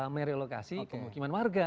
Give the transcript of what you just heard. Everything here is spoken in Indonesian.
merelokasi kemukiman warga